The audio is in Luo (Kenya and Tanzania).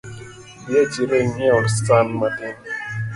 Dhi e chiro ing'iewna san matin